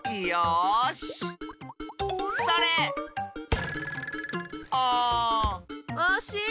よし。